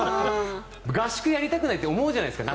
合宿やりたくないって思うじゃないですか。